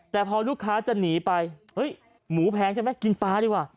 แต่พอลูกค้าจะหนีไปเฮ้ยหมูแพงใช่ไหมกินปลาดีกว่า